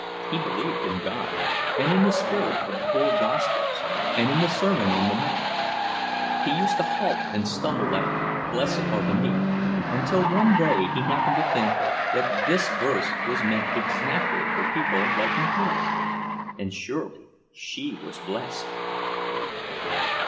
He believed in God, and in the spirit of the four Gospels, and in the Sermon on the Mount. He used to halt and stumble at "Blessed are the meek," until one day he happened to think that this verse was meant exactly for people like Mahailey; and surely she was blessed!